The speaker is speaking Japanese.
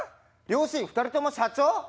両親２人とも社長！？